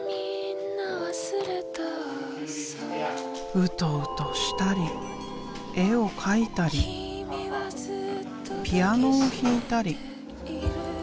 ウトウトしたり絵を描いたりピアノを弾いたり。